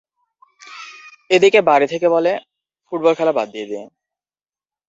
এদিকে বাড়ি থেকে বলে ফুটবল খেলা বাদ দিয়ে দে।